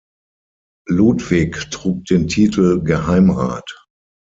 Ludvig trug den Titel Geheimrat.